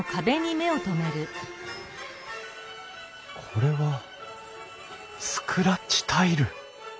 これはスクラッチタイル！